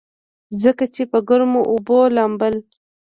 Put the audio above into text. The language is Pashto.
ځکه چې پۀ ګرمو اوبو لامبل